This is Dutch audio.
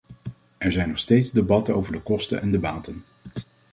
Er zijn nog steeds debatten over de kosten en de baten.